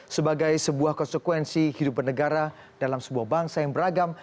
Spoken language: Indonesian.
sebagai sebuah konsekuensi hidup bernegara dalam sebuah bangsa yang beragam